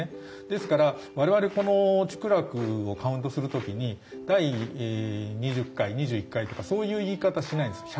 ですから我々この竹楽をカウントする時に第２０回２１回とかそういう言い方しないんですよ。